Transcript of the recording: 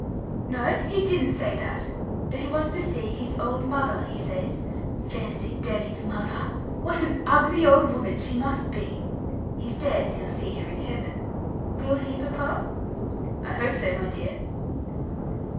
"No he didn't say that. But he wants to see his old mother, he says. Fancy Danny's mother! What an ugly old woman she must be! He says he'll see her in Heaven. Will he, papa?" "I hope so, my dear."